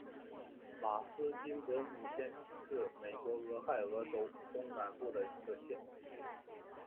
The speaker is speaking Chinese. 马斯金格姆县是美国俄亥俄州东南部的一个县。